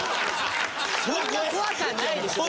そんな怖くはないでしょ別に。